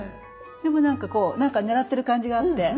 でもなんかこうなんか狙ってる感じがあって。